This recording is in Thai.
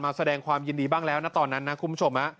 แสดงความยินดีบ้างแล้วนะตอนนั้นนะคุณผู้ชม